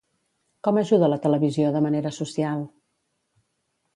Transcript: Com ajuda la televisió de manera social?